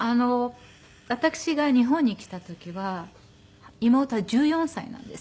私が日本に来た時は妹は１４歳なんです。